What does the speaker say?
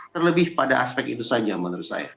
terlebih pada aspek itu saja menurut saya